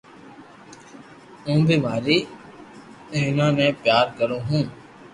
ھون بي ماري ئيتا ني پيار ڪرو ھون